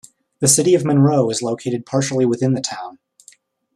The City of Monroe is located partially within the town.